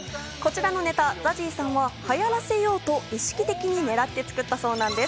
こちらのネタ、ＺＡＺＹさんは流行らせようと意識的にねらって作ったそうなんです。